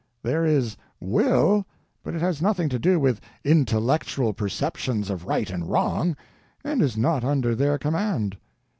There is will. But it has nothing to do with _intellectual perceptions of right and wrong, _and is not under their command.